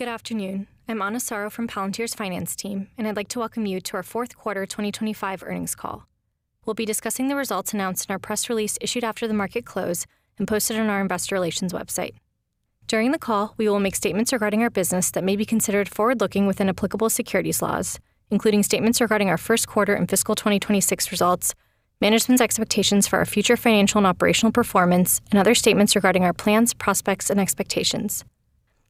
Good afternoon. I'm Ana Soro from Palantir's finance team, and I'd like to welcome you to our fourth quarter 2025 earnings call. We'll be discussing the results announced in our press release issued after the market closed and posted on our Investor Relations website. During the call, we will make statements regarding our business that may be considered forward-looking within applicable securities laws, including statements regarding our first quarter and fiscal year 2026 results, management's expectations for our future financial and operational performance, and other statements regarding our plans, prospects, and expectations.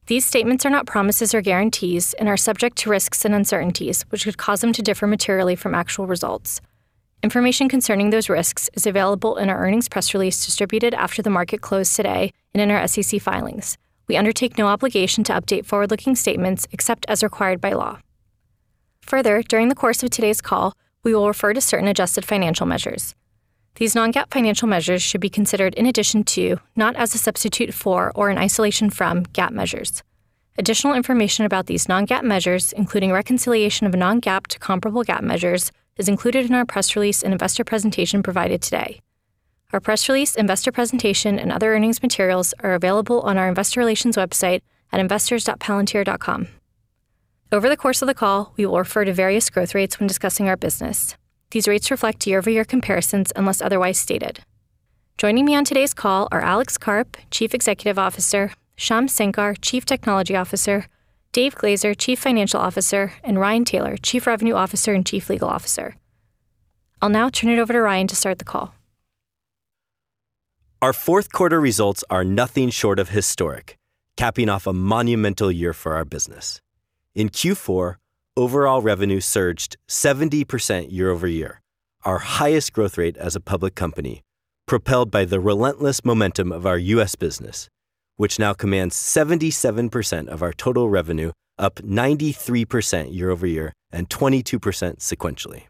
These statements are not promises or guarantees and are subject to risks and uncertainties, which could cause them to differ materially from actual results. Information concerning those risks is available in our earnings press release distributed after the market closed today and in our SEC filings. We undertake no obligation to update forward-looking statements except as required by law. Further, during the course of today's call, we will refer to certain adjusted financial measures. These non-GAAP financial measures should be considered in addition to, not as a substitute for or in isolation from, GAAP measures. Additional information about these non-GAAP measures, including reconciliation of non-GAAP to comparable GAAP measures, is included in our press release and investor presentation provided today. Our press release, investor presentation, and other earnings materials are available on our investor relations website at investors.palantir.com. Over the course of the call, we will refer to various growth rates when discussing our business. These rates reflect year-over-year comparisons unless otherwise stated. Joining me on today's call are Alex Karp, Chief Executive Officer; Shyam Sankar, Chief Technology Officer; Dave Glazer, Chief Financial Officer; and Ryan Taylor, Chief Revenue Officer and Chief Legal Officer. I'll now turn it over to Ryan to start the call. Our fourth quarter results are nothing short of historic, capping off a monumental year for our business. In Q4, overall revenue surged 70% year-over-year, our highest growth rate as a public company, propelled by the relentless momentum of our U.S. business, which now commands 77% of our total revenue, up 93% year-over-year and 22% sequentially.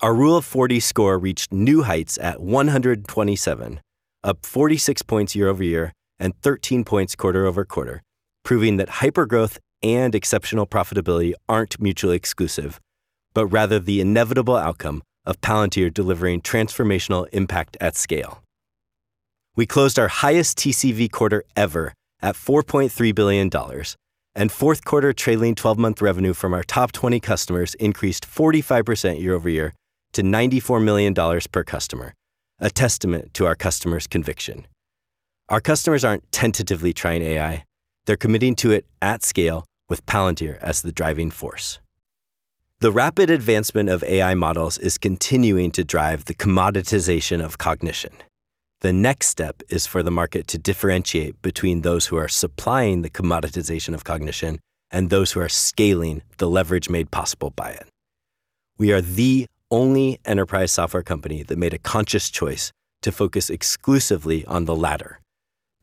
Our Rule of 40 score reached new heights at 127, up 46 points year-over-year and 13 points quarter-over-quarter, proving that hypergrowth and exceptional profitability aren't mutually exclusive, but rather the inevitable outcome of Palantir delivering transformational impact at scale. We closed our highest TCV quarter ever at $4.3 billion, and fourth quarter trailing 12-month revenue from our top 20 customers increased 45% year-over-year to $94 million per customer, a testament to our customer's conviction. Our customers aren't tentatively trying AI. They're committing to it at scale, with Palantir as the driving force. The rapid advancement of AI models is continuing to drive the commoditization of cognition. The next step is for the market to differentiate between those who are supplying the commoditization of cognition and those who are scaling the leverage made possible by it. We are the only enterprise software company that made a conscious choice to focus exclusively on the latter,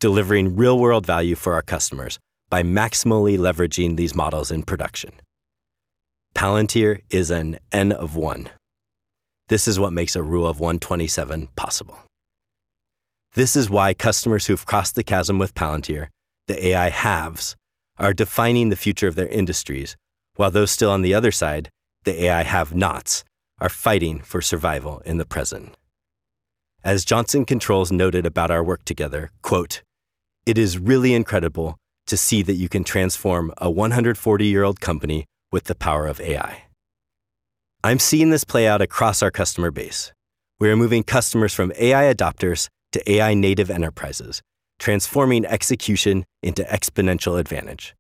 delivering real-world value for our customers by maximally leveraging these models in production. Palantir is an N of 1. This is what makes a Rule of 127 possible. This is why customers who've crossed the chasm with Palantir, the AI "haves," are defining the future of their industries, while those still on the other side, the AI "have-nots," are fighting for survival in the present. As Johnson Controls noted about our work together, quote, "It is really incredible to see that you can transform a 140-year-old company with the power of AI." I'm seeing this play out across our customer base. We are moving customers from AI adopters to AI-native enterprises, transforming execution into exponential advantage.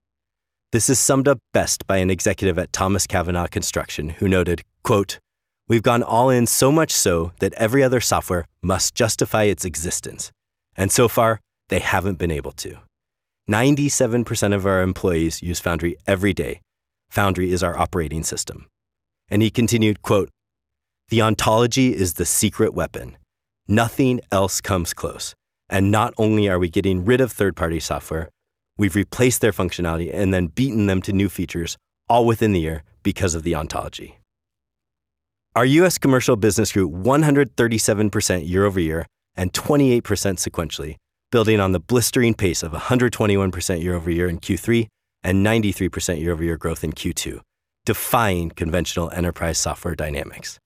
This is summed up best by an executive at Thomas Cavanagh Construction who noted, quote, "We've gone all-in so much so that every other software must justify its existence, and so far they haven't been able to. 97% of our employees use Foundry every day; Foundry is our operating system." And he continued, quote, "The ontology is the secret weapon. Nothing else comes close. And not only are we getting rid of third-party software; we've replaced their functionality and then beaten them to new features, all within the year, because of the ontology." Our U.S. commercial business grew 137% year-over-year and 28% sequentially, building on the blistering pace of 121% year-over-year in Q3 and 93% year-over-year growth in Q2, defying conventional enterprise software dynamics.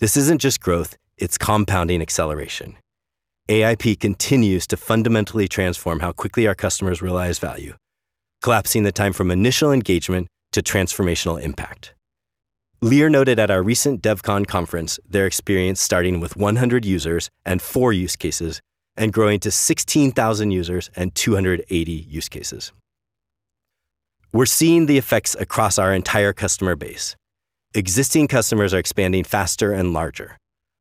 This isn't just growth. It's compounding acceleration. AIP continues to fundamentally transform how quickly our customers realize value, collapsing the time from initial engagement to transformational impact. Lear noted at our recent DevCon conference their experience starting with 100 users and four use cases and growing to 16,000 users and 280 use cases. We're seeing the effects across our entire customer base. Existing customers are expanding faster and larger.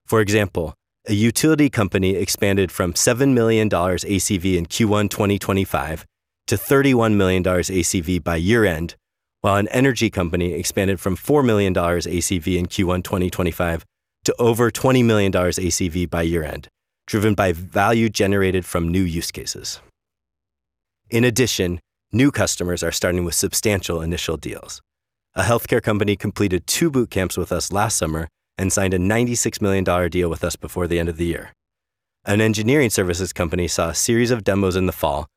For example, a utility company expanded from $7 million ACV in Q1 2025 to $31 million ACV by year-end, while an energy company expanded from $4 million ACV in Q1 2025 to over $20 million ACV by year-end, driven by value generated from new use cases. In addition, new customers are starting with substantial initial deals. A healthcare company completed two bootcamps with us last summer and signed a $96 million deal with us before the end of the year. An engineering services company saw a series of demos in the fall,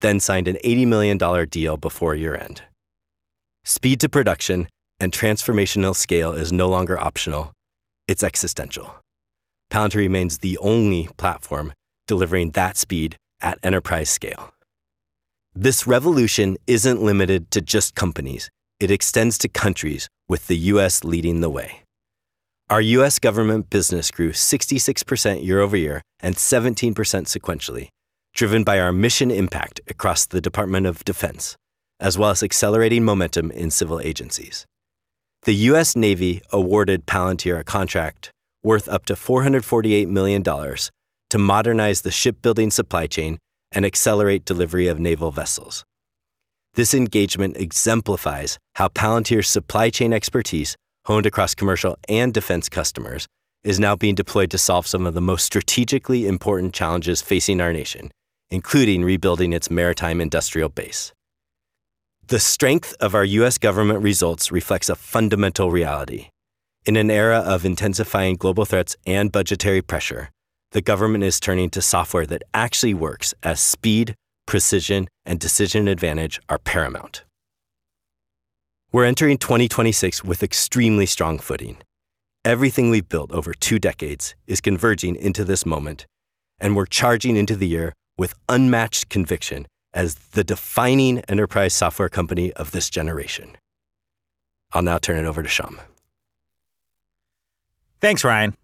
then signed an $80 million deal before year-end. Speed to production and transformational scale is no longer optional. It's existential. Palantir remains the only platform delivering that speed at enterprise scale. This revolution isn't limited to just companies. It extends to countries, with the U.S. leading the way. Our U.S. government business grew 66% year-over-year and 17% sequentially, driven by our mission impact across the Department of Defense, as well as accelerating momentum in civil agencies. The U.S. Navy awarded Palantir a contract worth up to $448 million to modernize the shipbuilding supply chain and accelerate delivery of naval vessels. This engagement exemplifies how Palantir's supply chain expertise, honed across commercial and defense customers, is now being deployed to solve some of the most strategically important challenges facing our nation, including rebuilding its maritime industrial base. The strength of our U.S. government results reflects a fundamental reality. In an era of intensifying global threats and budgetary pressure, the government is turning to software that actually works, as speed, precision, and decision advantage are paramount. We're entering 2026 with extremely strong footing. Everything we've built over two decades is converging into this moment, and we're charging into the year with unmatched conviction as the defining enterprise software company of this generation. I'll now turn it over to Shyam. Thanks, Ryan.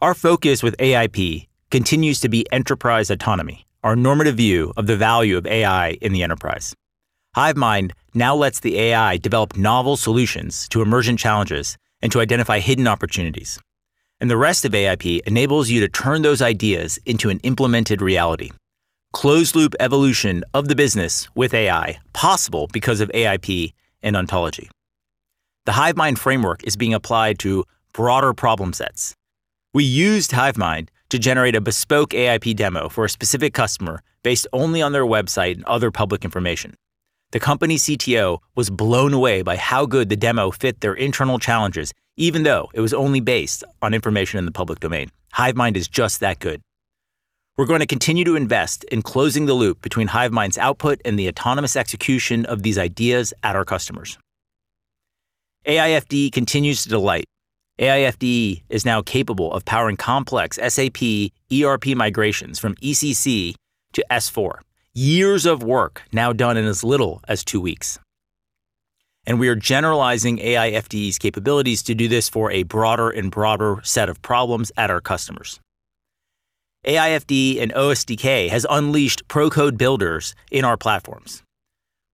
Our focus with AIP continues to be enterprise autonomy, our normative view of the value of AI in the enterprise. Hivemind now lets the AI develop novel solutions to emergent challenges and to identify hidden opportunities. The rest of AIP enables you to turn those ideas into an implemented reality, closed-loop evolution of the business with AI possible because of AIP and ontology. The Hivemind framework is being applied to broader problem sets. We used Hivemind to generate a bespoke AIP demo for a specific customer based only on their website and other public information. The company CTO was blown away by how good the demo fit their internal challenges, even though it was only based on information in the public domain. Hivemind is just that good. We're going to continue to invest in closing the loop between Hivemind's output and the autonomous execution of these ideas at our customers. AIP continues to delight. AIP is now capable of powering complex SAP ERP migrations from ECC to S/4, years of work now done in as little as two weeks. We are generalizing AIP's capabilities to do this for a broader and broader set of problems at our customers. AIP and OSDK has unleashed pro code builders in our platforms.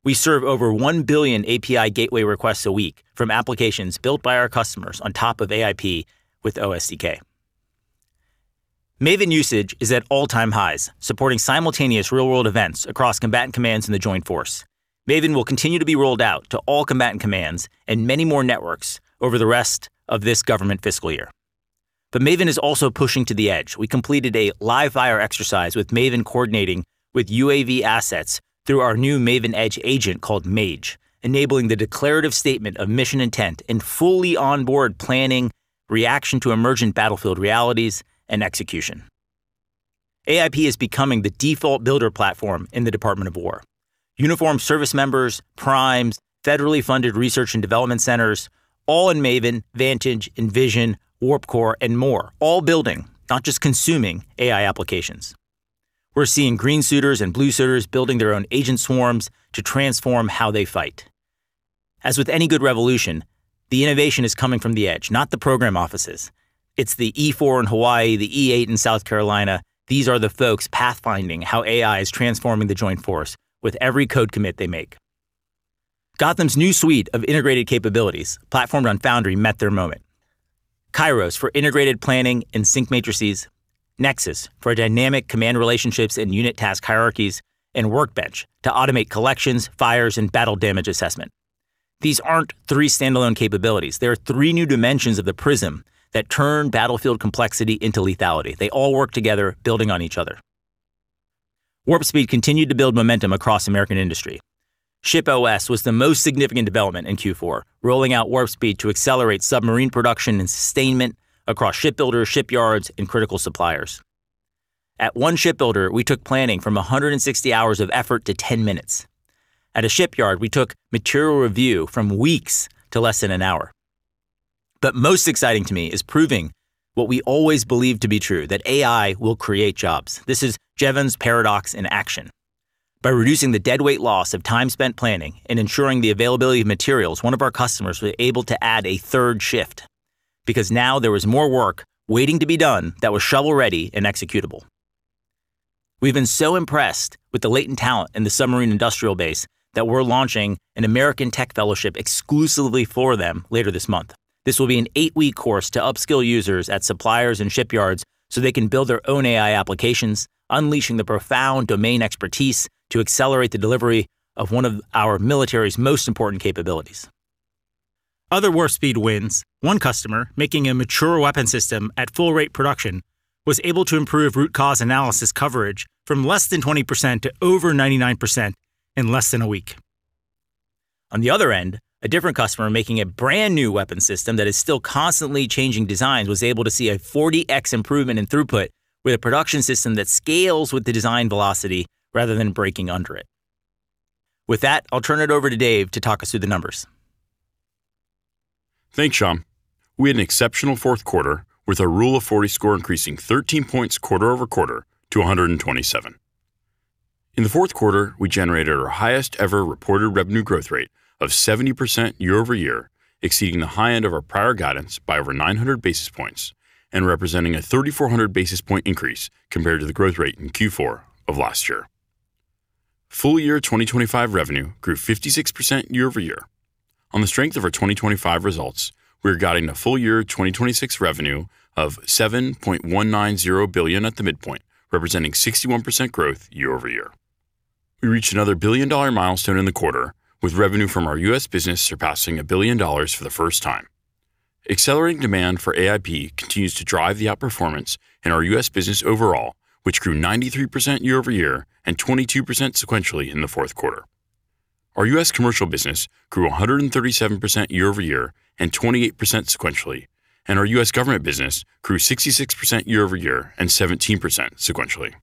We serve over one billion API Gateway requests a week from applications built by our customers on top of AIP with OSDK. Maven usage is at all-time highs, supporting simultaneous real-world events across combatant commands in the Joint Force. Maven will continue to be rolled out to all combatant commands and many more networks over the rest of this government fiscal year. But Maven is also pushing to the edge. We completed a live-fire exercise with Maven coordinating with UAV assets through our new Maven Edge agent called MAGE, enabling the declarative statement of mission intent and fully onboard planning, reaction to emergent battlefield realities, and execution. AIP is becoming the default builder platform in the Department of War. Uniformed service members, primes, federally funded research and development centers, all in Maven, Vantage, Envision, Warp Core, and more, all building, not just consuming, AI applications. We're seeing green suiters and blue suiters building their own agent swarms to transform how they fight. As with any good revolution, the innovation is coming from the edge, not the program offices. It's the E4 in Hawaii, the E8 in South Carolina. These are the folks pathfinding how AI is transforming the Joint Force with every code commit they make. Gotham's new suite of integrated capabilities, platformed on Foundry, met their moment. Kairos for integrated planning and sync matrices, Nexus for dynamic command relationships and unit task hierarchies, and Workbench to automate collections, fires, and battle damage assessment. These aren't three standalone capabilities. They're three new dimensions of the prism that turn battlefield complexity into lethality. They all work together, building on each other. Warp Speed continued to build momentum across American industry. ShipOS was the most significant development in Q4, rolling out Warp Speed to accelerate submarine production and sustainment across shipbuilders, shipyards, and critical suppliers. At one shipbuilder, we took planning from 160 hours of effort to 10 minutes. At a shipyard, we took material review from weeks to less than an hour. But most exciting to me is proving what we always believed to be true, that AI will create jobs. This is Jevons Paradox in action. By reducing the deadweight loss of time spent planning and ensuring the availability of materials, one of our customers was able to add a third shift, because now there was more work waiting to be done that was shovel-ready and executable. We've been so impressed with the latent talent in the submarine industrial base that we're launching an American tech fellowship exclusively for them later this month. This will be an eight-week course to upskill users at suppliers and shipyards so they can build their own AI applications, unleashing the profound domain expertise to accelerate the delivery of one of our military's most important capabilities. Other Warp Speed wins, one customer making a mature weapon system at full-rate production, was able to improve root cause analysis coverage from less than 20% to over 99% in less than a week. On the other end, a different customer making a brand new weapon system that is still constantly changing designs was able to see a 40x improvement in throughput with a production system that scales with the design velocity rather than breaking under it. With that, I'll turn it over to Dave to talk us through the numbers. Thanks, Shyam. We had an exceptional fourth quarter with a Rule of 40 score increasing 13 points quarter-over-quarter to 127. In the fourth quarter, we generated our highest-ever reported revenue growth rate of 70% year-over-year, exceeding the high end of our prior guidance by over 900 basis points and representing a 3,400 basis point increase compared to the growth rate in Q4 of last year. Full-year 2025 revenue grew 56% year-over-year. On the strength of our 2025 results, we are guiding a full-year 2026 revenue of $7.190 billion at the midpoint, representing 61% growth year-over-year. We reached another billion-dollar milestone in the quarter, with revenue from our U.S. business surpassing $1 billion for the first time. Accelerating demand for AIP continues to drive the outperformance in our U.S. business overall, which grew 93% year-over-year and 22% sequentially in the fourth quarter. Our U.S. commercial business grew 137% year-over-year and 28% sequentially, and our U.S. government business grew 66% year-over-year and 17% sequentially.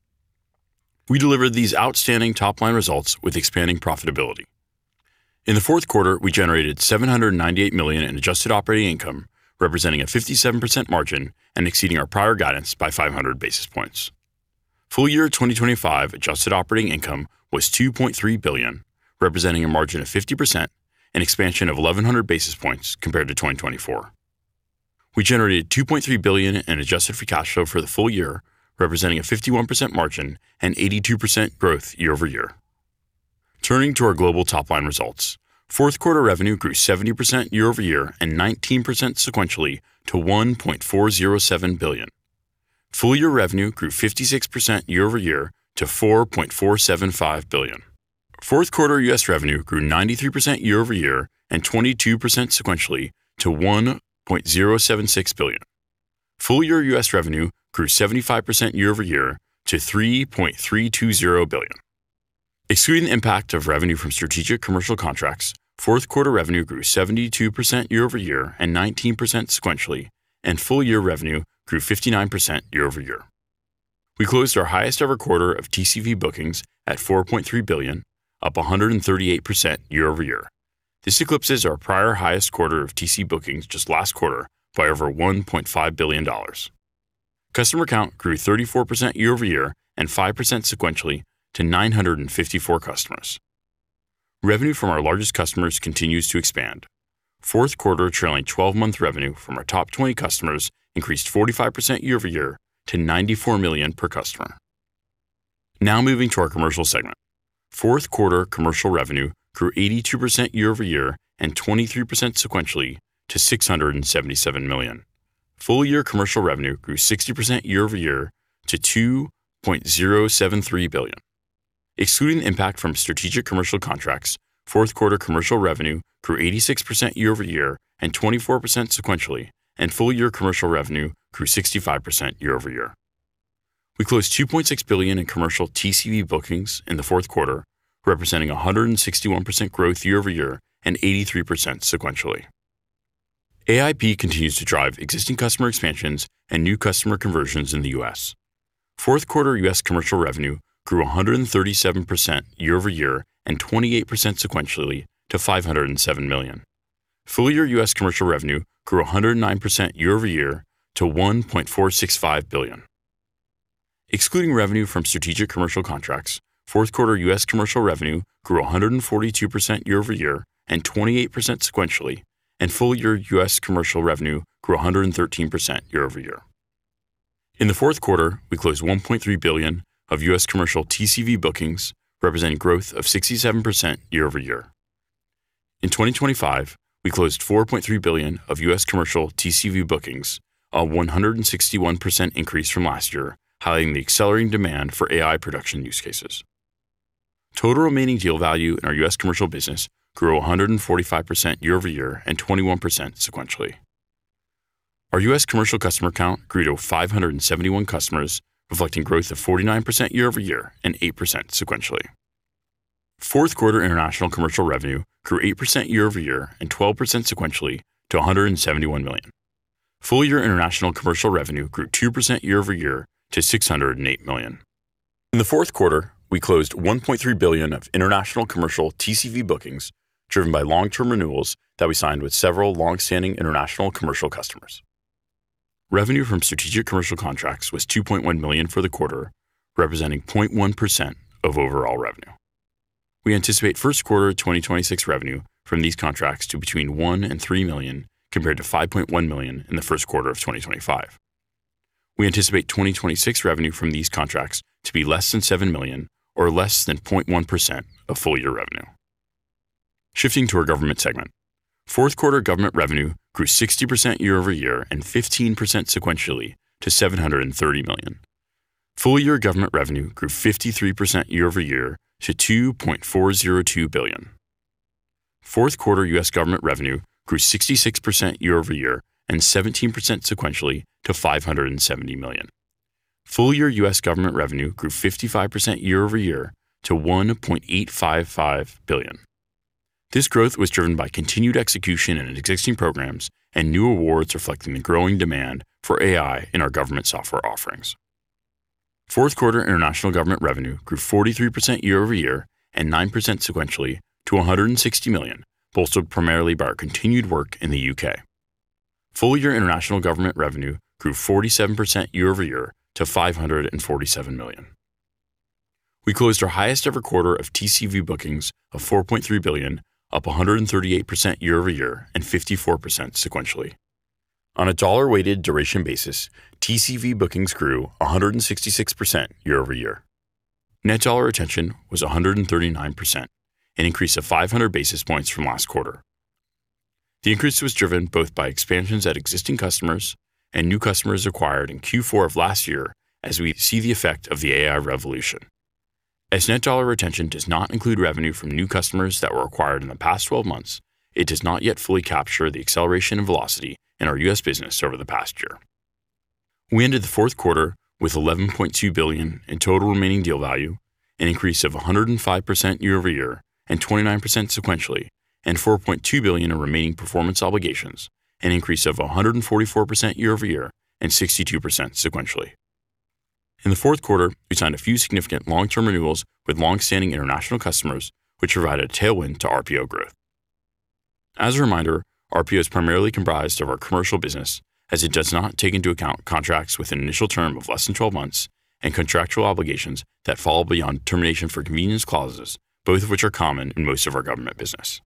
We delivered these outstanding top-line results with expanding profitability. In the fourth quarter, we generated $798 million in adjusted operating income, representing a 57% margin and exceeding our prior guidance by 500 basis points. Full-year 2025 adjusted operating income was $2.3 billion, representing a margin of 50% and expansion of 1,100 basis points compared to 2024. We generated $2.3 billion in adjusted free cash flow for the full-year, representing a 51% margin and 82% growth year-over-year. Turning to our global top-line results, fourth quarter revenue grew 70% year-over-year and 19% sequentially to $1.407 billion. Full-year revenue grew 56% year-over-year to $4.475 billion. Fourth quarter U.S. revenue grew 93% year-over-year and 22% sequentially to $1.076 billion. Full-year U.S. revenue grew 75% year-over-year to $3.320 billion. Excluding the impact of revenue from strategic commercial contracts, fourth quarter revenue grew 72% year-over-year and 19% sequentially, and full-year revenue grew 59% year-over-year. We closed our highest-ever quarter of TCV bookings at $4.3 billion, up 138% year-over-year. This eclipses our prior highest quarter of TCV bookings just last quarter by over $1.5 billion. Customer count grew 34% year-over-year and 5% sequentially to 954 customers. Revenue from our largest customers continues to expand. Fourth quarter trailing 12-month revenue from our top 20 customers increased 45% year-over-year to $94 million per customer. Now moving to our commercial segment. Fourth quarter commercial revenue grew 82% year-over-year and 23% sequentially to $677 million. Full-year commercial revenue grew 60% year-over-year to $2.073 billion. Excluding the impact from strategic commercial contracts, fourth quarter commercial revenue grew 86% year-over-year and 24% sequentially, and full-year commercial revenue grew 65% year-over-year. We closed $2.6 billion in commercial TCV bookings in the fourth quarter, representing 161% growth year-over-year and 83% sequentially. AIP continues to drive existing customer expansions and new customer conversions in the U.S. Fourth quarter U.S. commercial revenue grew 137% year-over-year and 28% sequentially to $507 million. Full-year U.S. commercial revenue grew 109% year-over-year to $1.465 billion. Excluding revenue from strategic commercial contracts, fourth quarter U.S. commercial revenue grew 142% year-over-year and 28% sequentially, and full-year U.S. commercial revenue grew 113% year-over-year. In the fourth quarter, we closed $1.3 billion of U.S. commercial TCV bookings, representing growth of 67% year-over-year. In 2025, we closed $4.3 billion of U.S. commercial TCV bookings, a 161% increase from last year, highlighting the accelerating demand for AI production use cases. Total remaining deal value in our U.S. commercial business grew 145% year-over-year and 21% sequentially. Our U.S. commercial customer count grew to 571 customers, reflecting growth of 49% year-over-year and 8% sequentially. Fourth quarter international commercial revenue grew 8% year-over-year and 12% sequentially to $171 million. Full-year international commercial revenue grew 2% year-over-year to $608 million. In the fourth quarter, we closed $1.3 billion of international commercial TCV bookings, driven by long-term renewals that we signed with several longstanding international commercial customers. Revenue from strategic commercial contracts was $2.1 million for the quarter, representing 0.1% of overall revenue. We anticipate first quarter 2026 revenue from these contracts to between $1 million-$3 million compared to $5.1 million in the first quarter of 2025. We anticipate 2026 revenue from these contracts to be less than $7 million or less than 0.1% of full-year revenue. Shifting to our government segment. Fourth quarter government revenue grew 60% year-over-year and 15% sequentially to $730 million. Full-year government revenue grew 53% year-over-year to $2.402 billion. Fourth quarter U.S. government revenue grew 66% year-over-year and 17% sequentially to $570 million. Full-year U.S. government revenue grew 55% year-over-year to $1.855 billion. This growth was driven by continued execution in existing programs and new awards reflecting the growing demand for AI in our government software offerings. Fourth quarter international government revenue grew 43% year-over-year and 9% sequentially to $160 million, bolstered primarily by our continued work in the U.K. Full-year international government revenue grew 47% year-over-year to $547 million. We closed our highest-ever quarter of TCV bookings of $4.3 billion, up 138% year-over-year and 54% sequentially. On a dollar-weighted duration basis, TCV bookings grew 166% year-over-year. Net dollar retention was 139%, an increase of 500 basis points from last quarter. The increase was driven both by expansions at existing customers and new customers acquired in Q4 of last year as we see the effect of the AI revolution. As net dollar retention does not include revenue from new customers that were acquired in the past 12 months, it does not yet fully capture the acceleration in velocity in our U.S. business over the past year. We ended the fourth quarter with $11.2 billion in total remaining deal value, an increase of 105% year-over-year and 29% sequentially, and $4.2 billion in remaining performance obligations, an increase of 144% year-over-year and 62% sequentially. In the fourth quarter, we signed a few significant long-term renewals with longstanding international customers, which provided a tailwind to RPO growth. As a reminder, RPO is primarily comprised of our commercial business, as it does not take into account contracts with an initial term of less than 12 months and contractual obligations that fall beyond termination for convenience clauses, both of which are common in most of our government business.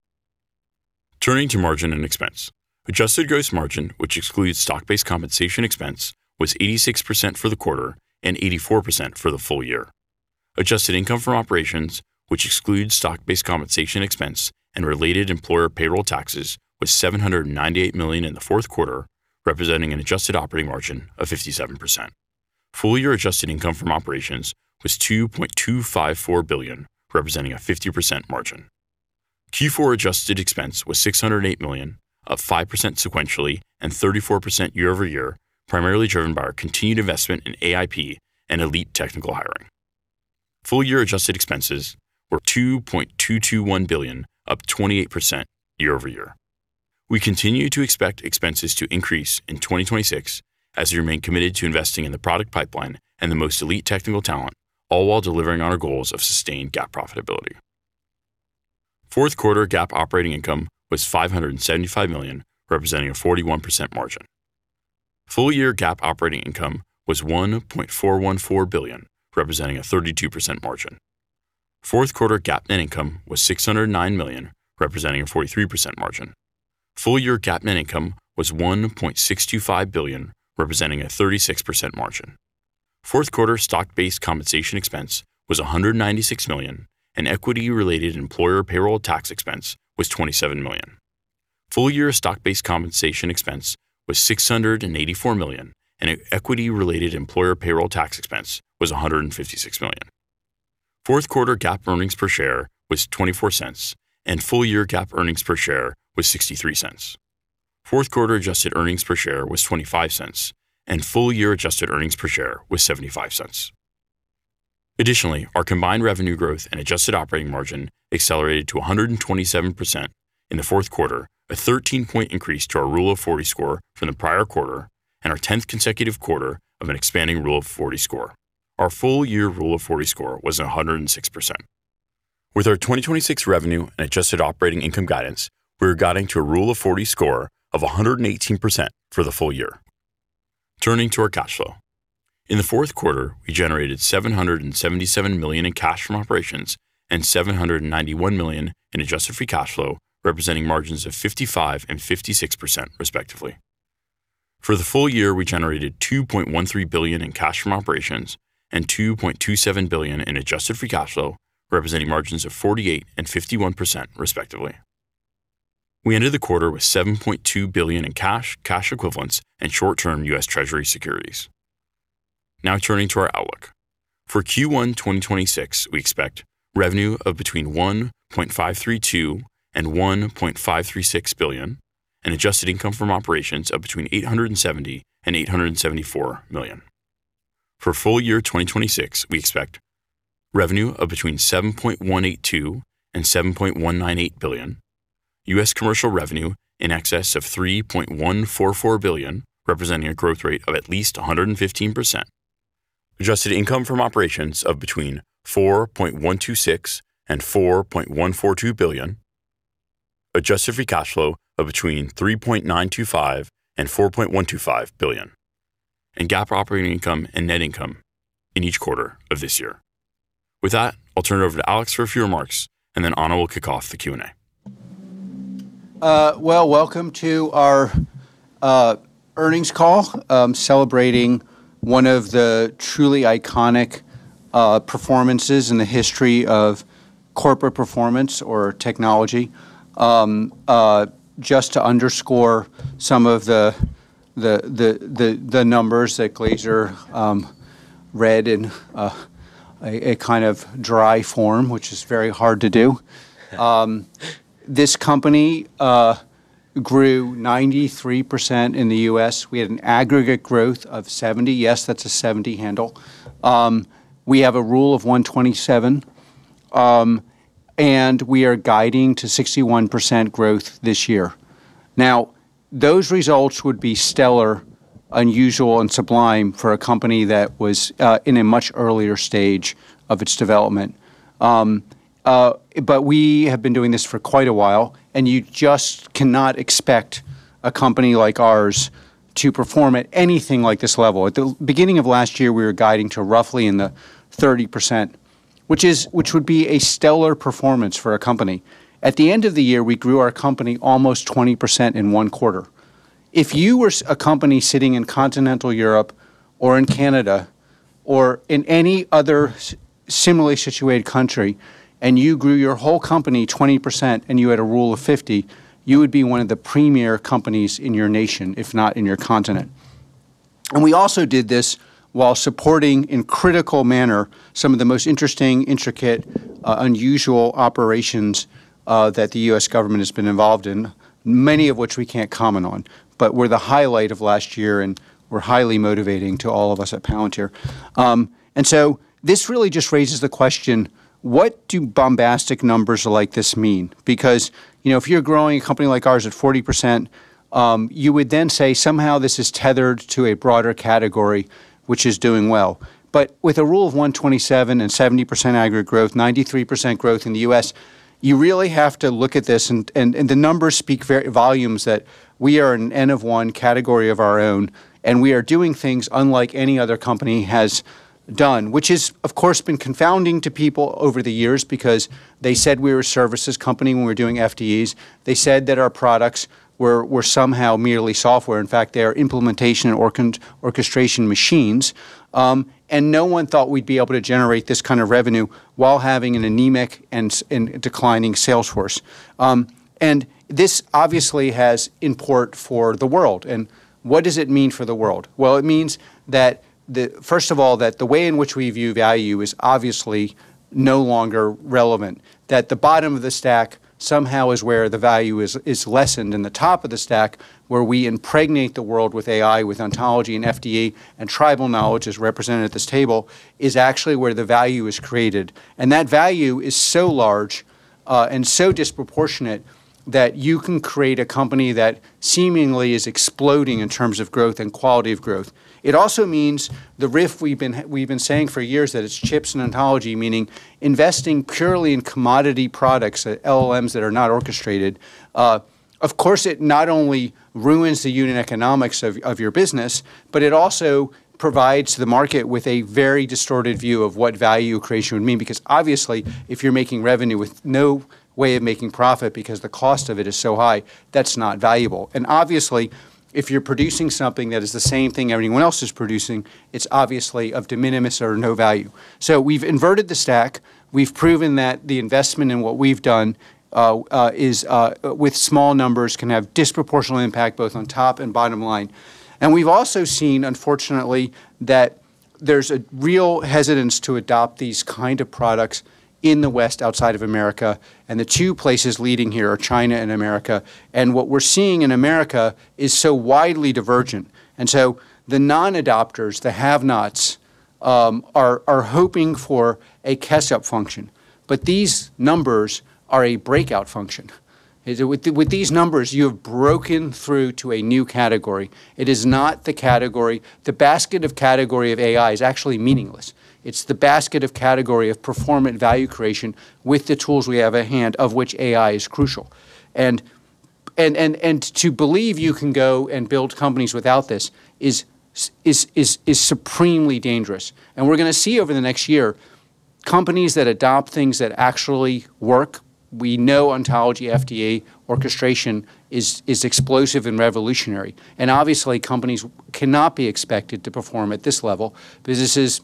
Turning to margin and expense. Adjusted gross margin, which excludes stock-based compensation expense, was 86% for the quarter and 84% for the full-year. Adjusted income from operations, which excludes stock-based compensation expense and related employer payroll taxes, was $798 million in the fourth quarter, representing an adjusted operating margin of 57%. Full-year adjusted income from operations was $2.254 billion, representing a 50% margin. Q4 adjusted expense was $608 million, up 5% sequentially and 34% year-over-year, primarily driven by our continued investment in AIP and elite technical hiring. Full-year adjusted expenses were $2.221 billion, up 28% year-over-year. We continue to expect expenses to increase in 2026 as we remain committed to investing in the product pipeline and the most elite technical talent, all while delivering on our goals of sustained GAAP profitability. Fourth quarter GAAP operating income was $575 million, representing a 41% margin. Full-year GAAP operating income was $1.414 billion, representing a 32% margin. Fourth quarter GAAP net income was $609 million, representing a 43% margin. Full-year GAAP net income was $1.625 billion, representing a 36% margin. Fourth quarter stock-based compensation expense was $196 million, and equity-related employer payroll tax expense was $27 million. Full-year stock-based compensation expense was $684 million, and equity-related employer payroll tax expense was $156 million. Fourth quarter GAAP earnings per share was $0.24, and full-year GAAP earnings per share was $0.63. Fourth quarter adjusted earnings per share was $0.25, and full-year adjusted earnings per share was $0.75. Additionally, our combined revenue growth and adjusted operating margin accelerated to 127% in the fourth quarter, a 13-point increase to our Rule of 40 score from the prior quarter and our 10th consecutive quarter of an expanding Rule of 40 score. Our full-year Rule of 40 score was 106%. With our 2026 revenue and adjusted operating income guidance, we are guiding to a Rule of 40 score of 118% for the full-year. Turning to our cash flow. In the fourth quarter, we generated $777 million in cash from operations and $791 million in adjusted free cash flow, representing margins of 55% and 56%, respectively. For the full-year, we generated $2.13 billion in cash from operations and $2.27 billion in adjusted free cash flow, representing margins of 48% and 51%, respectively. We ended the quarter with $7.2 billion in cash, cash equivalents, and short-term U.S. Treasury securities. Now turning to our outlook. For Q1 2026, we expect: Revenue of between $1.532 billion-$1.536 billion, and adjusted income from operations of between $870 million-$874 million. For full-year 2026, we expect: Revenue of between $7.182 billion-$7.198 billion, U.S. Commercial revenue in excess of $3.144 billion, representing a growth rate of at least 115%, adjusted income from operations of between $4.126 billion-$4.142 billion, adjusted free cash flow of between $3.925 billion-$4.125 billion, and GAAP operating income and net income in each quarter of this year. With that, I'll turn it over to Alex for a few remarks, and then Ana will kick off the Q&A. Welcome to our earnings call celebrating one of the truly iconic performances in the history of corporate performance or technology. Just to underscore some of the numbers that Glazer read in a kind of dry form, which is very hard to do. This company grew 93% in the U.S. We had an aggregate growth of 70%. Yes, that's a 70% handle. We have a Rule of 127, and we are guiding to 61% growth this year. Now, those results would be stellar, unusual, and sublime for a company that was in a much earlier stage of its development. But we have been doing this for quite a while, and you just cannot expect a company like ours to perform at anything like this level. At the beginning of last year, we were guiding to roughly in the 30%, which would be a stellar performance for a company. At the end of the year, we grew our company almost 20% in one quarter. If you were a company sitting in continental Europe or in Canada or in any other similarly situated country and you grew your whole company 20% and you had a Rule of 50, you would be one of the premier companies in your nation, if not in your continent. And we also did this while supporting in critical manner some of the most interesting, intricate, unusual operations that the U.S. government has been involved in, many of which we can't comment on, but were the highlight of last year and were highly motivating to all of us at Palantir. And so this really just raises the question: What do bombastic numbers like this mean? Because, you know, if you're growing a company like ours at 40%, you would then say somehow this is tethered to a broader category, which is doing well. But with a Rule of 127 and 70% aggregate growth, 93% growth in the U.S., you really have to look at this, and the numbers speak volumes that we are in an N of one category of our own, and we are doing things unlike any other company has done, which has, of course, been confounding to people over the years because they said we were a services company when we were doing FDEs. They said that our products were somehow merely software. In fact, they are implementation orchestration machines. No one thought we'd be able to generate this kind of revenue while having an anemic and declining sales force. This obviously has import for the world. What does it mean for the world? Well, it means that, first of all, that the way in which we view value is obviously no longer relevant. That the bottom of the stack somehow is where the value is lessened, and the top of the stack, where we impregnate the world with AI, with ontology and FDE, and tribal knowledge as represented at this table, is actually where the value is created. And that value is so large and so disproportionate that you can create a company that seemingly is exploding in terms of growth and quality of growth. It also means the riff we've been saying for years that it's chips and ontology, meaning investing purely in commodity products, LLMs that are not orchestrated. Of course, it not only ruins the unit economics of your business, but it also provides the market with a very distorted view of what value creation would mean. Because obviously, if you're making revenue with no way of making profit because the cost of it is so high, that's not valuable. Obviously, if you're producing something that is the same thing everyone else is producing, it's obviously of de minimis or no value. So we've inverted the stack. We've proven that the investment in what we've done is, with small numbers, can have disproportional impact both on top and bottom line. And we've also seen, unfortunately, that there's a real hesitance to adopt these kind of products in the West outside of America. And the two places leading here are China and America. And what we're seeing in America is so widely divergent. And so the non-adopters, the have-nots, are hoping for a catch-up function. But these numbers are a breakout function. With these numbers, you have broken through to a new category. It is not the category the basket of category of AI is actually meaningless. It's the basket of category of performant value creation with the tools we have at hand of which AI is crucial. And to believe you can go and build companies without this is supremely dangerous. And we're going to see over the next year companies that adopt things that actually work. We know ontology, AIP, orchestration is explosive and revolutionary. And obviously, companies cannot be expected to perform at this level because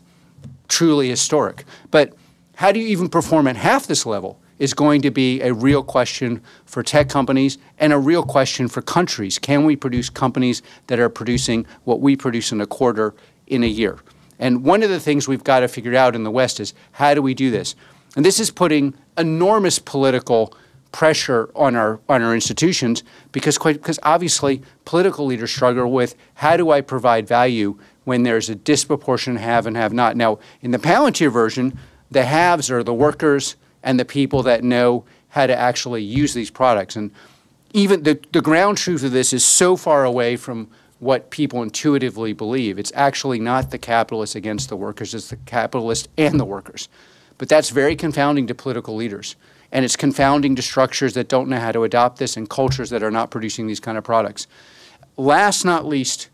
this is truly historic. But how do you even perform at half this level is going to be a real question for tech companies and a real question for countries. Can we produce companies that are producing what we produce in a quarter in a year? And one of the things we've got to figure out in the West is how do we do this? And this is putting enormous political pressure on our institutions because obviously, political leaders struggle with how do I provide value when there's a disproportionate have and have-not. Now, in the Palantir version, the haves are the workers and the people that know how to actually use these products. And even the ground truth of this is so far away from what people intuitively believe. It's actually not the capitalists against the workers. It's the capitalists and the workers. But that's very confounding to political leaders. And it's confounding to structures that don't know how to adopt this and cultures that are not producing these kind of products. Last but not least,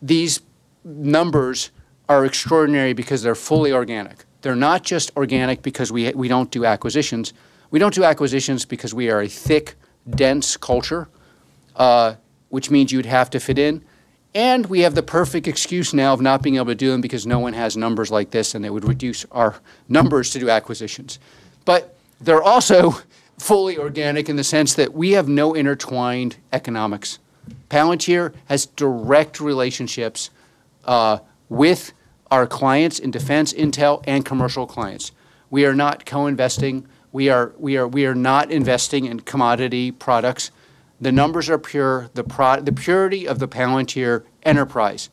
these numbers are extraordinary because they're fully organic. They're not just organic because we don't do acquisitions. We don't do acquisitions because we are a thick, dense culture, which means you'd have to fit in. We have the perfect excuse now of not being able to do them because no one has numbers like this and it would reduce our numbers to do acquisitions. But they're also fully organic in the sense that we have no intertwined economics. Palantir has direct relationships with our clients in defense, intel, and commercial clients. We are not co-investing. We are not investing in commodity products. The numbers are pure. The purity of the Palantir enterprise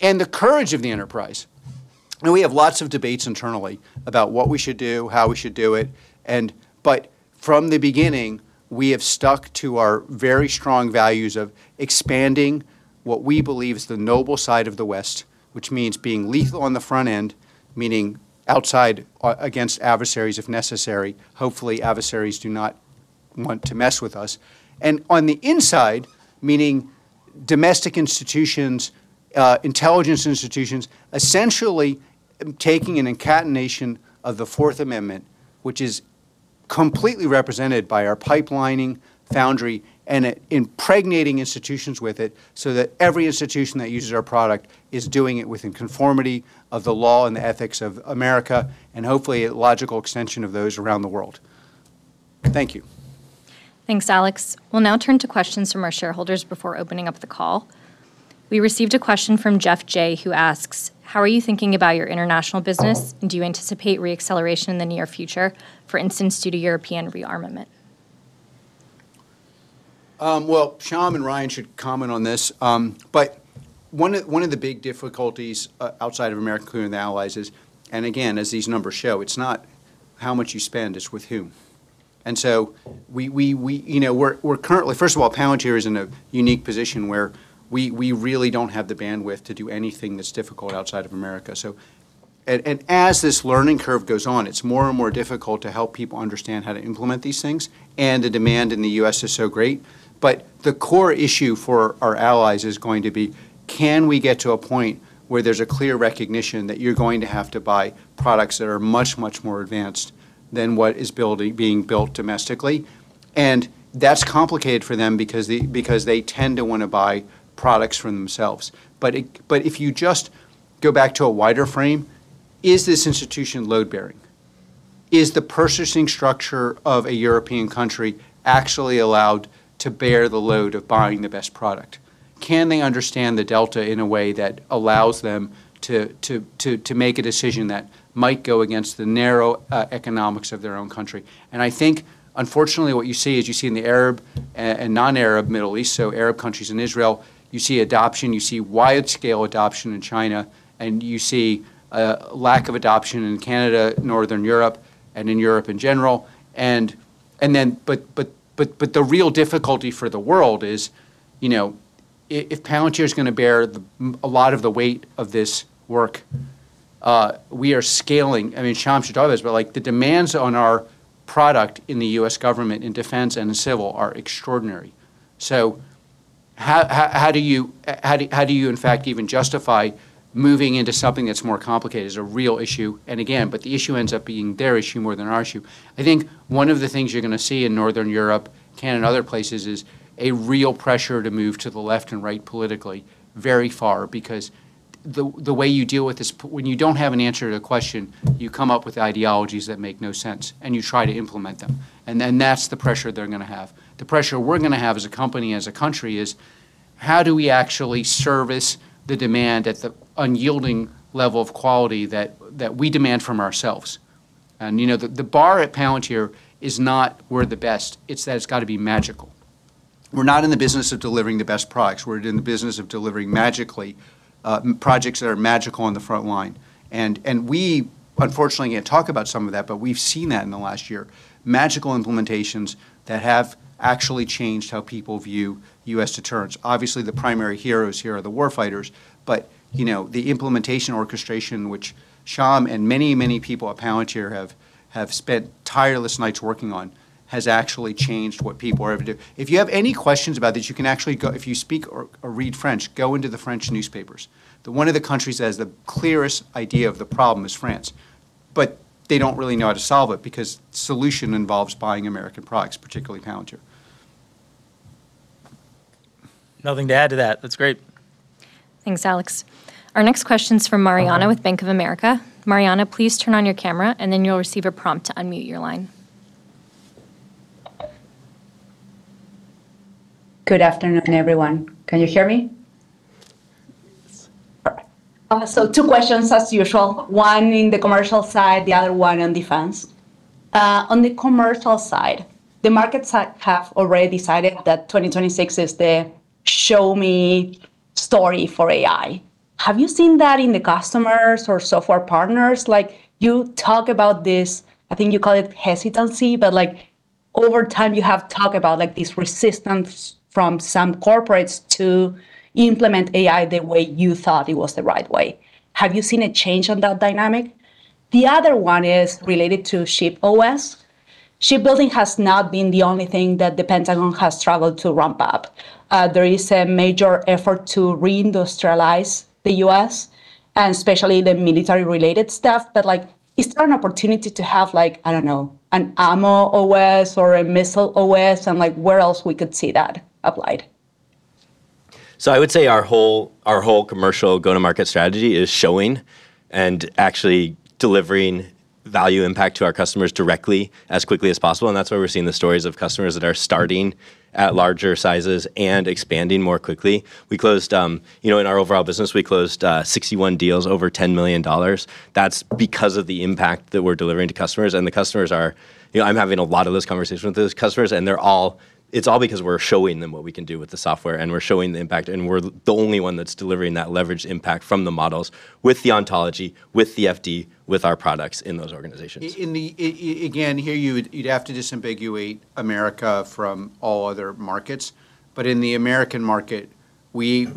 and the courage of the enterprise. We have lots of debates internally about what we should do, how we should do it. But from the beginning, we have stuck to our very strong values of expanding what we believe is the noble side of the West, which means being lethal on the front end, meaning outside against adversaries if necessary. Hopefully, adversaries do not want to mess with us. And on the inside, meaning domestic institutions, intelligence institutions, essentially taking an incarnation of the Fourth Amendment, which is completely represented by our pipelining, Foundry, and integrating institutions with it so that every institution that uses our product is doing it within conformity of the law and the ethics of America and hopefully a logical extension of those around the world. Thank you. Thanks, Alex. We'll now turn to questions from our shareholders before opening up the call. We received a question from Geoff Jay who asks, "How are you thinking about your international business, and do you anticipate reacceleration in the near future, for instance, due to European rearmament?" Well, Shyam and Ryan should comment on this. But one of the big difficulties outside of America including the allies is, and again, as these numbers show, it's not how much you spend, it's with whom. And so, you know, we're currently first of all, Palantir is in a unique position where we really don't have the bandwidth to do anything that's difficult outside of America. And as this learning curve goes on, it's more and more difficult to help people understand how to implement these things. And the demand in the U.S. is so great. But the core issue for our allies is going to be, can we get to a point where there's a clear recognition that you're going to have to buy products that are much, much more advanced than what is being built domestically? And that's complicated for them because they tend to want to buy products for themselves. But if you just go back to a wider frame, is this institution load-bearing? Is the purchasing structure of a European country actually allowed to bear the load of buying the best product? Can they understand the delta in a way that allows them to make a decision that might go against the narrow economics of their own country? And I think, unfortunately, what you see is you see in the Arab and non-Arab Middle East, so Arab countries and Israel, you see adoption. You see wide-scale adoption in China. And you see lack of adoption in Canada, Northern Europe, and in Europe in general. And then but the real difficulty for the world is, you know, if Palantir is going to bear a lot of the weight of this work, we are scaling. I mean, Shyam should talk about this, but the demands on our product in the U.S. government in defense and in civil are extraordinary. So how do you in fact even justify moving into something that's more complicated? It's a real issue. And again, but the issue ends up being their issue more than our issue. I think one of the things you're going to see in Northern Europe, Canada, and other places is a real pressure to move to the left and right politically very far because the way you deal with this when you don't have an answer to a question, you come up with ideologies that make no sense and you try to implement them. And that's the pressure they're going to have. The pressure we're going to have as a company, as a country, is how do we actually service the demand at the unyielding level of quality that we demand from ourselves? And, you know, the bar at Palantir is not we're the best. It's that it's got to be magical. We're not in the business of delivering the best products. We're in the business of delivering magically projects that are magical on the front line. We, unfortunately, can't talk about some of that, but we've seen that in the last year. Magical implementations that have actually changed how people view U.S. deterrence. Obviously, the primary heroes here are the warfighters. You know, the implementation orchestration, which Shyam and many, many people at Palantir have spent tireless nights working on, has actually changed what people are able to do. If you have any questions about this, you can actually go if you speak or read French, go into the French newspapers. One of the countries that has the clearest idea of the problem is France. But they don't really know how to solve it because solution involves buying American products, particularly Palantir. Nothing to add to that. That's great. Thanks, Alex. Our next question is from Mariana with Bank of America. Mariana, please turn on your camera, and then you'll receive a prompt to unmute your line. Good afternoon, everyone. Can you hear me? So two questions as usual. One in the commercial side, the other one on defense. On the commercial side, the markets have already decided that 2026 is the show-me story for AI. Have you seen that in the customers or software partners? Like, you talk about this I think you call it hesitancy, but over time you have talked about this resistance from some corporates to implement AI the way you thought it was the right way. Have you seen a change in that dynamic? The other one is related to ShipOS. Shipbuilding has not been the only thing that the Pentagon has struggled to ramp up. There is a major effort to reindustrialize the U.S., and especially the military-related stuff. But is there an opportunity to have, I don't know, an ammo OS or a missile OS? And where else we could see that applied? So I would say our whole commercial go-to-market strategy is showing and actually delivering value impact to our customers directly as quickly as possible. And that's why we're seeing the stories of customers that are starting at larger sizes and expanding more quickly. We closed in our overall business, we closed 61 deals, over $10 million. That's because of the impact that we're delivering to customers. And the customers are I'm having a lot of those conversations with those customers. And they're all—it's all because we're showing them what we can do with the software. And we're showing the impact. And we're the only one that's delivering that leveraged impact from the models with the ontology, with the AIP, with our products in those organizations. Again, here you'd have to disambiguate America from all other markets. But in the American market, we have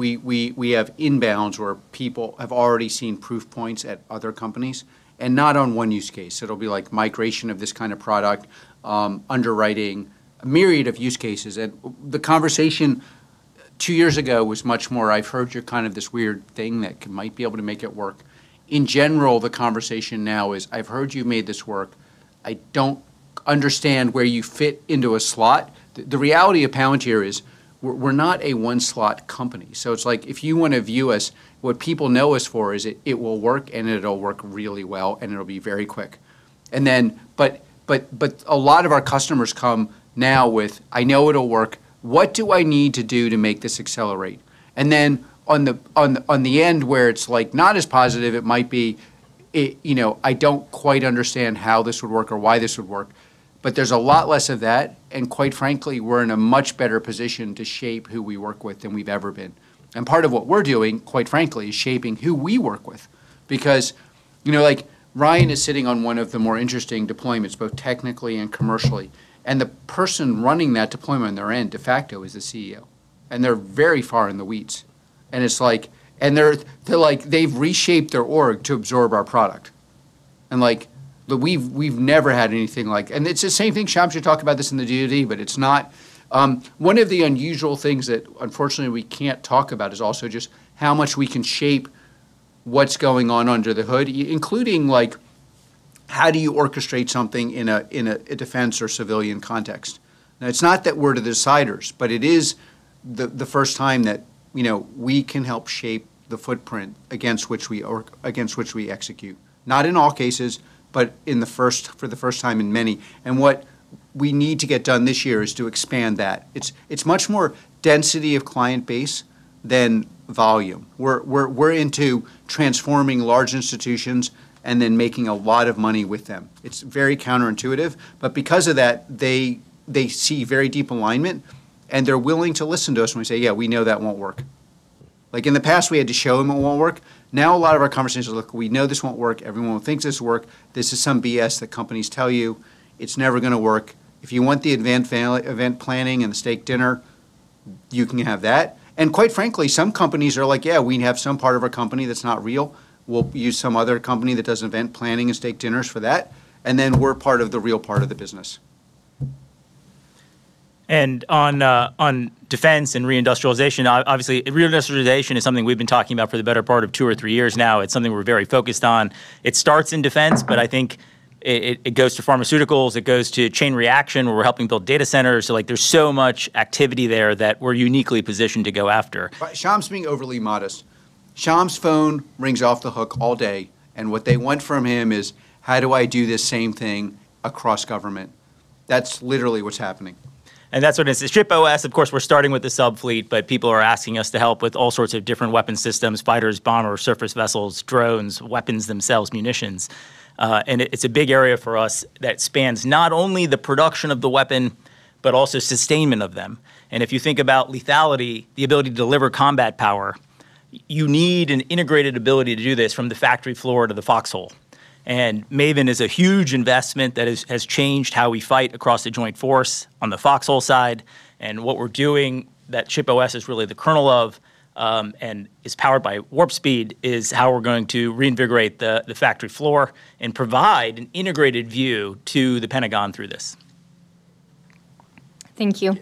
inbounds where people have already seen proof points at other companies. And not on one use case. It'll be like migration of this kind of product, underwriting, a myriad of use cases. And the conversation two years ago was much more, "I've heard you're kind of this weird thing that might be able to make it work." In general, the conversation now is, "I've heard you made this work." I don't understand where you fit into a slot. The reality of Palantir is we're not a one-slot company. So it's like if you want to view us, what people know us for is it will work and it'll work really well and it'll be very quick. And then but a lot of our customers come now with I know it'll work. What do I need to do to make this accelerate? And then on the end where it's not as positive, it might be, you know, I don't quite understand how this would work or why this would work. But there's a lot less of that. And quite frankly, we're in a much better position to shape who we work with than we've ever been. And part of what we're doing, quite frankly, is shaping who we work with. Because, you know, Ryan is sitting on one of the more interesting deployments, both technically and commercially. The person running that deployment on their end, de facto, is the CEO. They're very far in the weeds. It's like and they're like they've reshaped their org to absorb our product. We've never had anything like and it's the same thing. Shyam should talk about this in the DOD, but it's not. One of the unusual things that unfortunately we can't talk about is also just how much we can shape what's going on under the hood, including how do you orchestrate something in a defense or civilian context. Now, it's not that we're the deciders. But it is the first time that, you know, we can help shape the footprint against which we execute. Not in all cases, but for the first time in many. What we need to get done this year is to expand that. It's much more density of client base than volume. We're into transforming large institutions and then making a lot of money with them. It's very counterintuitive. But because of that, they see very deep alignment. And they're willing to listen to us when we say, "Yeah, we know that won't work." Like in the past, we had to show them it won't work. Now, a lot of our conversations are like, "We know this won't work. Everyone will think this will work. This is some BS that companies tell you. It's never going to work. If you want the advanced event planning and the steak dinner, you can have that." And quite frankly, some companies are like, "Yeah, we have some part of our company that's not real. We'll use some other company that does event planning and steak dinners for that and then we're part of the real part of the business." On defense and reindustrialization, obviously, reindustrialization is something we've been talking about for the better part of two or three years now. It's something we're very focused on. It starts in defense, but I think it goes to pharmaceuticals. It goes to Chain Reaction where we're helping build data centers. So there's so much activity there that we're uniquely positioned to go after. Shyam is being overly modest. Shyam's phone rings off the hook all day. And what they want from him is how do I do this same thing across government? That's literally what's happening. And that's what it is. The ShipOS, of course, we're starting with the subfleet. But people are asking us to help with all sorts of different weapon systems: fighters, bombers, surface vessels, drones, weapons themselves, munitions. And it's a big area for us that spans not only the production of the weapon but also sustainment of them. And if you think about lethality, the ability to deliver combat power, you need an integrated ability to do this from the factory floor to the foxhole. And Maven is a huge investment that has changed how we fight across the joint force on the foxhole side. And what we're doing, that ShipOS is really the kernel of and is powered by Warp Speed, is how we're going to reinvigorate the factory floor and provide an integrated view to the Pentagon through this. Thank you.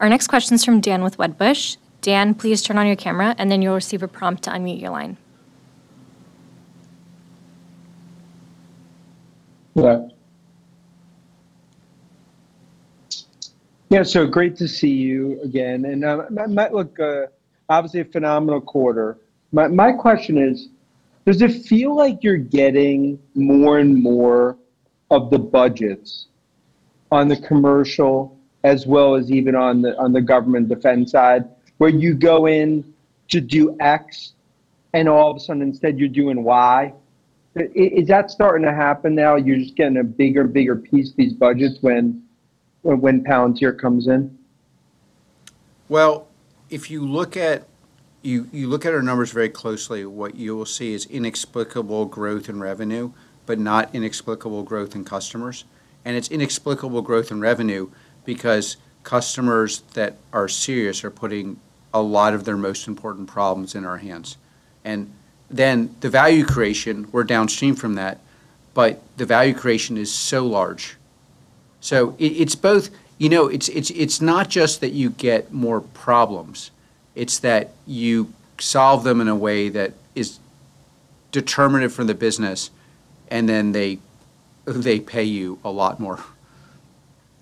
Our next question is from Dan with Wedbush. Dan, please turn on your camera, and then you'll receive a prompt to unmute your line. Yeah, so great to see you again. And it might look obviously a phenomenal quarter. My question is, does it feel like you're getting more and more of the budgets on the commercial as well as even on the government defense side where you go in to do X and all of a sudden instead you're doing Y? Is that starting to happen now? You're just getting a bigger and bigger piece of these budgets when Palantir comes in? Well, if you look at our numbers very closely, what you will see is inexplicable growth in revenue but not inexplicable growth in customers. And it's inexplicable growth in revenue because customers that are serious are putting a lot of their most important problems in our hands. And then the value creation we're downstream from that. But the value creation is so large. So it's both you know, it's not just that you get more problems. It's that you solve them in a way that is determinative for the business. And then they pay you a lot more.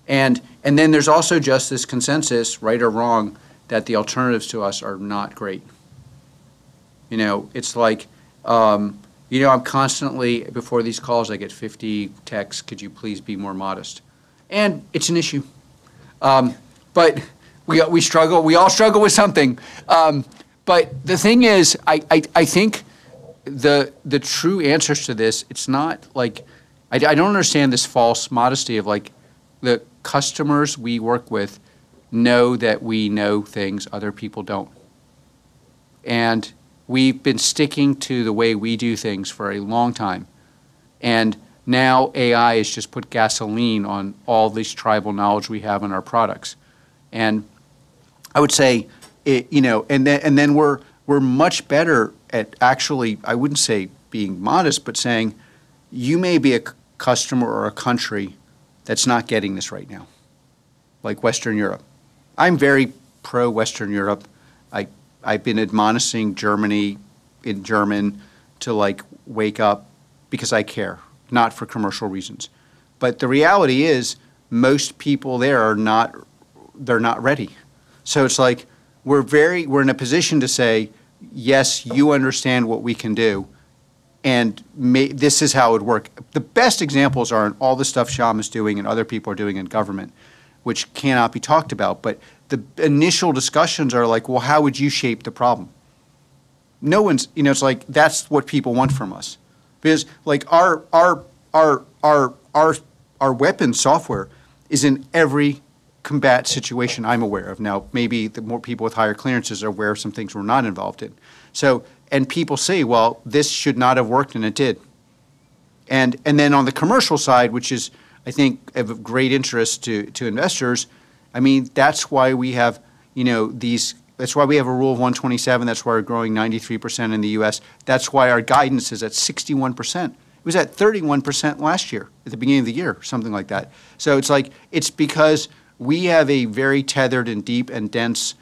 And then there's also just this consensus, right or wrong, that the alternatives to us are not great. You know, it's like you know, I'm constantly before these calls, I get 50 texts. Could you please be more modest? And it's an issue. But we struggle. We all struggle with something. But the thing is, I think the true answers to this. It's not like I don't understand this false modesty of the customers we work with know that we know things other people don't. And we've been sticking to the way we do things for a long time. And now AI has just put gasoline on all this tribal knowledge we have in our products. I would say, you know, and then we're much better at actually, I wouldn't say being modest, but saying you may be a customer or a country that's not getting this right now, like Western Europe. I'm very pro-Western Europe. I've been admonishing Germany in German to wake up because I care, not for commercial reasons. But the reality is most people there are not. They're not ready. So it's like we're in a position to say, "Yes, you understand what we can do. And this is how it would work." The best examples are in all the stuff Shyam is doing and other people are doing in government, which cannot be talked about. But the initial discussions are like, "Well, how would you shape the problem?" No one's, you know, it's like that's what people want from us. Because our weapon software is in every combat situation I'm aware of. Now, maybe the more people with higher clearances are aware of some things we're not involved in. And people say, "Well, this should not have worked." And it did. And then on the commercial side, which is, I think, of great interest to investors, I mean, that's why we have, you know that's why we have a Rule of 127. That's why we're growing 93% in the U.S. That's why our guidance is at 61%. It was at 31% last year at the beginning of the year, something like that. So it's like it's because we have a very tethered and deep and dense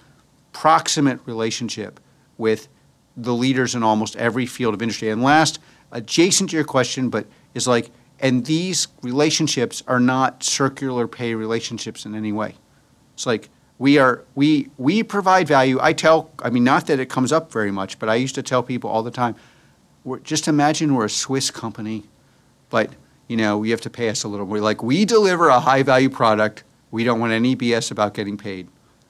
proximate relationship with the leaders in almost every field of industry. And last, adjacent to your question, but it's like and these relationships are not circular pay relationships in any way. It's like we provide value. I tell—I mean, not that it comes up very much, but I used to tell people all the time, "Just imagine we're a Swiss company. But you know we have to pay us a little more." We deliver a high-value product. We don't want any BS about getting paid.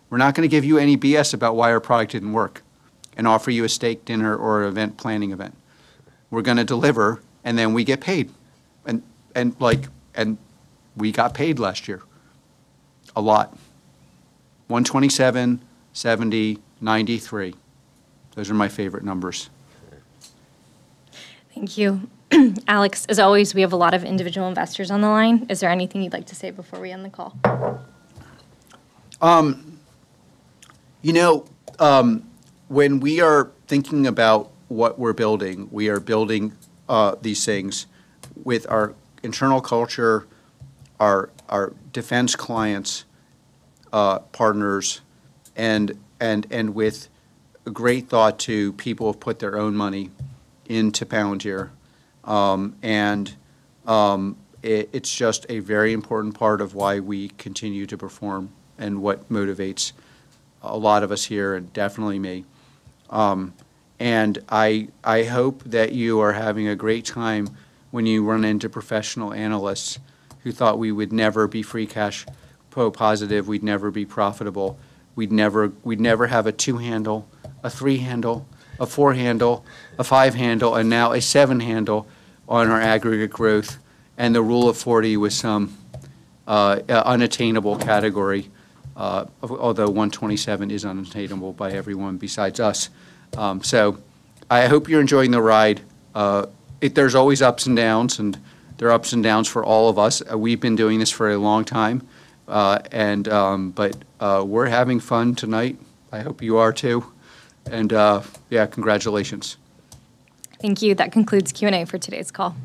We're not going to give you any BS about why our product didn't work and offer you a steak dinner or an event planning event. We're going to deliver. And then we get paid. And we got paid last year a lot: 127, 70, 93. Those are my favorite numbers. Thank you. Alex, as always, we have a lot of individual investors on the line. Is there anything you'd like to say before we end the call? You know, when we are thinking about what we're building, we are building these things with our internal culture, our defense clients, partners, and with great thought to people who have put their own money into Palantir. And it's just a very important part of why we continue to perform and what motivates a lot of us here and definitely me. And I hope that you are having a great time when you run into professional analysts who thought we would never be free cash positive, we'd never be profitable, we'd never have a 2-handle, a 3-handle, a 4-handle, a 5-handle, and now a 7-handle on our aggregate growth and the Rule of 40 with some unattainable category, although 127 is unattainable by everyone besides us. So I hope you're enjoying the ride. There's always ups and downs. And there are ups and downs for all of us. We've been doing this for a long time. But we're having fun tonight. I hope you are too. Yeah, congratulations. Thank you. That concludes Q&A for today's call.